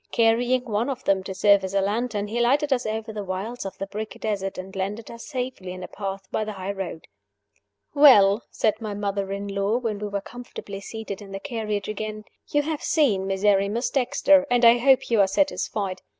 Carrying one of them to serve as a lantern, he lighted us over the wilds of the brick desert, and landed us safely on the path by the high road. "Well!" said my mother in law, when we were comfortably seated in the carriage again. "You have seen Miserrimus Dexter, and I hope you are satisfied.